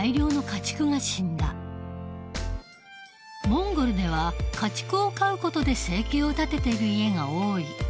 モンゴルでは家畜を飼う事で生計を立てている家が多い。